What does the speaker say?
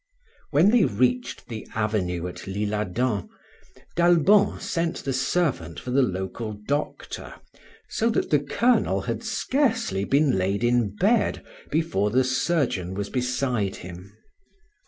When they reached the avenue at l'Isle Adam, d'Albon sent the servant for the local doctor, so that the Colonel had scarcely been laid in bed before the surgeon was beside him.